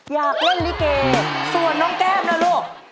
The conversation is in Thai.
อยากเล่นลิเกส่วนน้องแก้มนะลูก